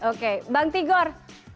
oke bang tigor